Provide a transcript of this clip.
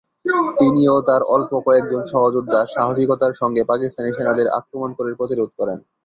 তিনি ও তার অল্প কয়েকজন সহযোদ্ধা সাহসিকতার সঙ্গে পাকিস্তানি সেনাদের আক্রমণ করে প্রতিরোধ করেন।